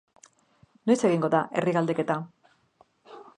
Noiz egingo da herri-galdeketa?